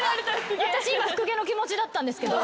私今福毛の気持ちだったんですけど。